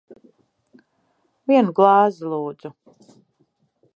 Vienu glāzi. Lūdzu.